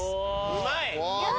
うまい！